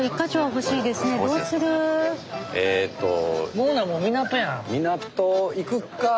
ほなもう港やん。